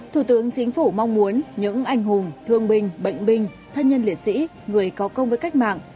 thủ tướng chính phủ mong muốn những anh hùng thương binh bệnh binh thân nhân liệt sĩ người có công với cách mạng